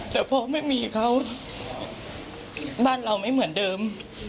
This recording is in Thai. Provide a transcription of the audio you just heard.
แต่พอไม่มีเขาบ้านเราไม่เหมือนเดิม